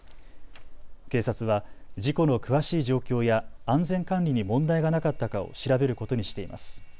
警察は事故の詳しい状況や安全管理に問題がなかったかを調べることにしています。